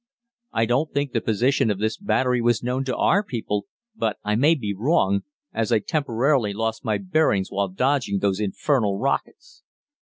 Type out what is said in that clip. I don't think the position of this battery was known to our people, but I may be wrong, as I temporarily lost my bearings while dodging those infernal rockets.